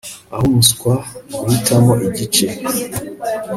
Ah umuswa guhitamo igice